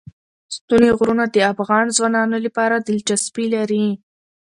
ستوني غرونه د افغان ځوانانو لپاره دلچسپي لري.